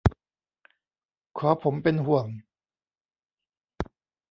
ขอผมเป็นห่วง